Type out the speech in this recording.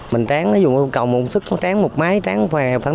mình tráng dùng cộng một sức tráng một máy tráng khoảng một tấn tấn hai